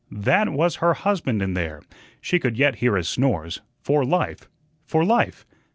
THAT, was her husband in there she could yet hear his snores for life, for life.